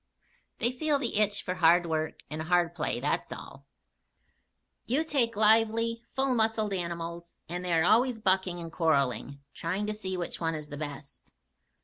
They feel the itch for hard work and hard play, that's all. You take lively, full muscled animals, and they are always bucking and quarreling trying to see which one is the best.